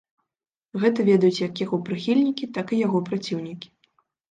Гэта ведаюць як яго прыхільнікі, так і яго праціўнікі.